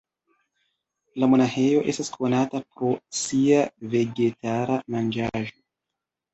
La monaĥejo estas konata pro sia vegetara manĝaĵo.